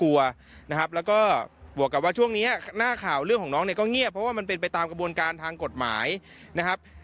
วันนี้หน้าข่าวเรื่องของน้องเนี่ยก็เงียบเพราะว่ามันเป็นไปตามกระบวนการทางกฎหมายนะครับ